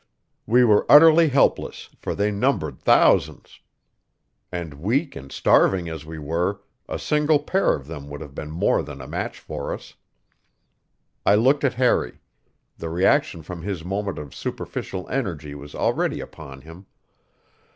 We were utterly helpless, for they numbered thousands. And weak and starving as we were, a single pair of them would have been more than a match for us. I looked at Harry; the reaction from his moment of superficial energy was already upon him.